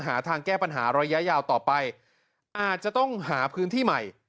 หาทางแก้ปัญหาระยะยาวต่อไปอาจจะต้องหาพื้นที่ใหม่